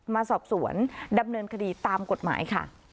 มาสอบสวนดำเนินคดีตามกฎหมายค่ะ